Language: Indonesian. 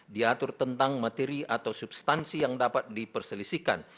diatur tentang materi atau substansi yang dapat diperselisihkan